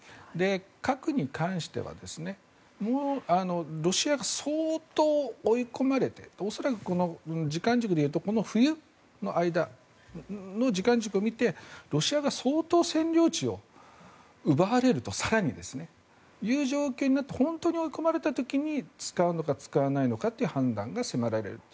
核に関してはロシアが相当追い込まれて恐らく、時間軸でいうとこの冬の間の時間軸を見てロシア側が相当、占領地を更に奪われるという状況になって本当に追い込まれた時に使うのか使わないのかという判断が迫られると。